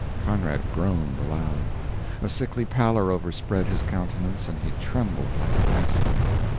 Conrad groaned aloud. A sickly pallor overspread his countenance, and he trembled like an aspen.